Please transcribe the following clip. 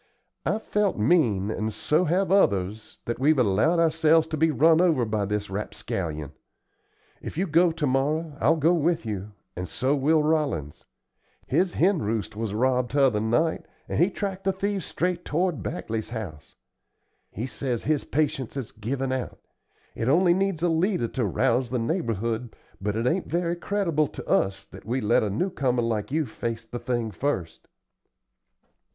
"I've felt mean, and so have others, that we've allowed ourselves to be run over by this rapscallion. If you go to morrow, I'll go with you, and so will Rollins. His hen roost was robbed t'other night, and he tracked the thieves straight toward Bagley's house. He says his patience has given out. It only needs a leader to rouse the neighborhood, but it ain't very creditable to us that we let a new comer like you face the thing first."